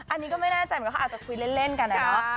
อันนี้ก็ไม่แน่ใจเค้าอาจจะคุยเล่นกันนะเนาะ